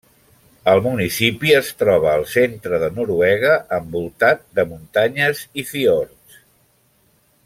El municipi es troba al centre de Noruega, envoltat de muntanyes i fiords.